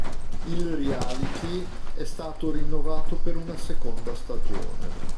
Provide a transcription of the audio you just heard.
Il reality è stato rinnovato per una seconda stagione.